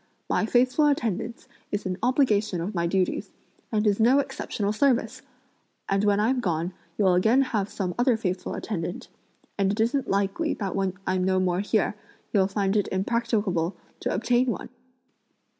My faithful attendance is an obligation of my duties, and is no exceptional service! and when I'm gone you'll again have some other faithful attendant, and it isn't likely that when I'm no more here, you'll find it impracticable to obtain one!"